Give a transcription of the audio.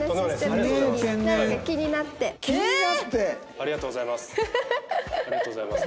ありがとうございます。